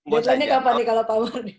bocahnya kapan nih kalau pak mardhani